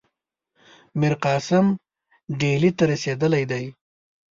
میرقاسم ډهلي ته رسېدلی دی.